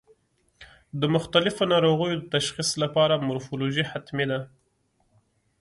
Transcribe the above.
د مختلفو ناروغیو د تشخیص لپاره مورفولوژي حتمي ده.